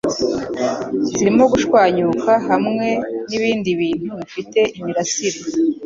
zirimo gushwanyuka hamwe n'ibindi bintu bifite imirasire